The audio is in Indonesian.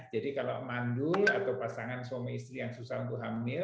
jadi kalau mandul atau pasangan suami istri yang susah untuk hamil